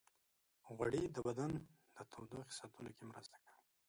غوړې د بدن د تودوخې ساتلو کې مرسته کوي.